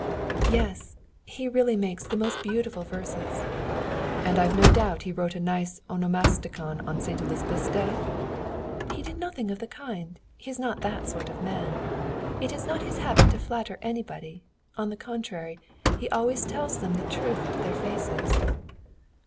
"Yes, he really makes most beautiful verses." "And I've no doubt he wrote a nice onomasticon on St. Elizabeth's Day?" "He did nothing of the kind. He's not that sort of man. It is not his habit to flatter anybody; on the contrary, he always tells them the truth to their faces."